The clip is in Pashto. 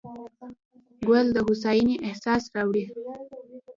ګل د هوساینې احساس راوړي.